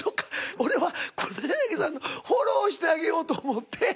俺は黒柳さんのフォローをしてあげようと思って。